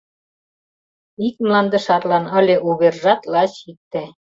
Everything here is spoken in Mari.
Ик мланде шарлан ыле увержат лач икте.